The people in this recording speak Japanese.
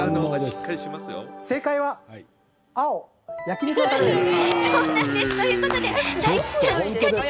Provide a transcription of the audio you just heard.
正解は青・焼き肉のたれです。